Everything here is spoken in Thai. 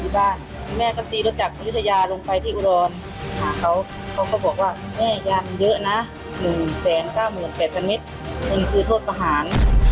แล้วเขาก็บอกว่าแม่ยาเยอะนะ๑๙๘๐๐๐เมตรมันคือโทษประหาร